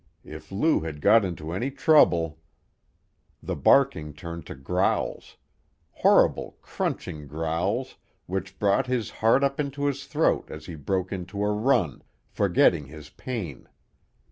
If Lou had got into any trouble The barking turned to growls; horrible, crunching growls which brought his heart up into his throat as he broke into a run, forgetting his pain.